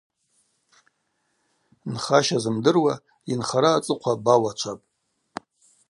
Нхаща зымдыруа йынхара ацӏыхъва бауачвапӏ.